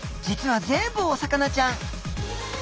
実は全部お魚ちゃん。